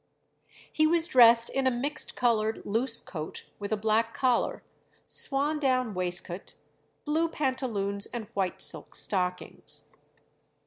He was dressed in a mixed coloured loose coat with a black collar, swandown waistcoat, blue pantaloons, and white silk stockings.